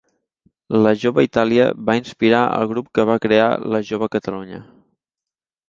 La Jove Itàlia va inspirar el grup que va crear la Jove Catalunya.